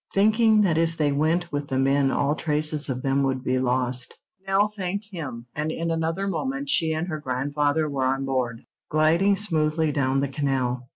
Thinking that if they went with the men all traces of them would be lost, Nell thanked him, and in another moment she and her grandfather were on board, gliding smoothly down the canal.